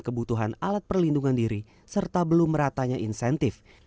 kebutuhan alat perlindungan diri serta belum meratanya insentif